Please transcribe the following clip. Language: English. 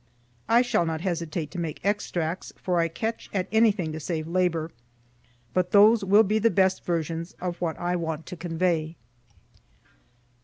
I shall not hesitate to make extracts, for I catch at anything to save labor; but those will be the best versions of what I want to convey.